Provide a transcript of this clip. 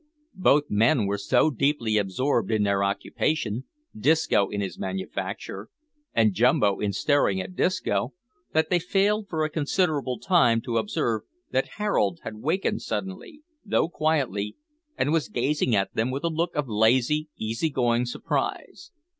Both men were so deeply absorbed in their occupation Disco in his manufacture, and Jumbo in staring at Disco that they failed for a considerable time to observe that Harold had wakened suddenly, though quietly, and was gazing at them with a look of lazy, easy going surprise.